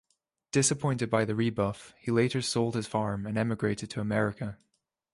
Disappointed by the rebuff, he later sold his farm and emigrated to America.